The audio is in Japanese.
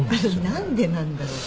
何でなんだろう？